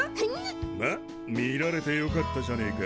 まっ見られてよかったじゃねえか。